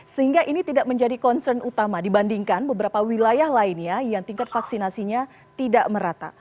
sehingga ini tidak menjadi concern utama dibandingkan beberapa wilayah lainnya yang tingkat vaksinasinya tidak merata